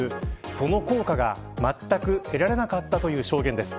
その効果がまったく得られなかったという証言です。